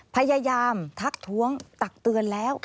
พยายามทักท้วงตักเตือนแล้ว